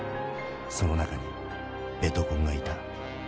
その中にベトコンがいた。